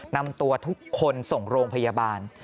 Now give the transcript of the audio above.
นำตัวทุกคนส่งโรงพยาบาล